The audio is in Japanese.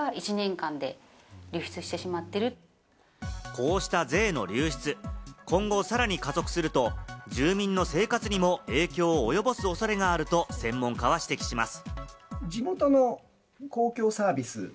こうした税の流出、今後さらに加速すると、住民の生活にも影響を及ぼす恐れがあると専門家は指摘します。